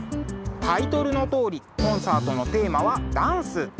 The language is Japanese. タイトルのとおりコンサートのテーマはダンス。